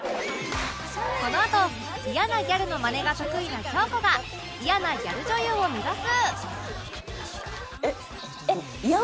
このあとイヤなギャルのマネが得意な京子がイヤなギャル女優を目指す